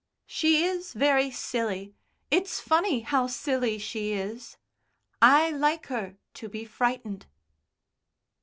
"She is very silly. It's funny how silly she is. I like her to be frightened."